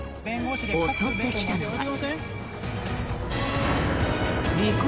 襲ってきたのは。